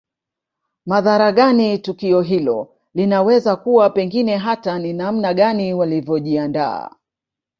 Madhara gani tukio hilo linaweza kuwa pengine hata ni namna gani walivyojiandaa